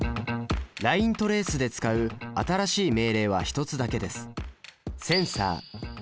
ライントレースで使う新しい命令は１つだけです。